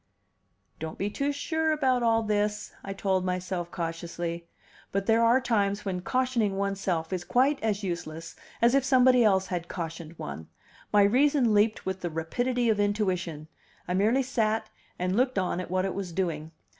"Don't be too sure about all this," I told myself cautiously. But there are times when cautioning one's self is quite as useless as if somebody else had cautioned one; my reason leaped with the rapidity of intuition; I merely sat and looked on at what it was doing.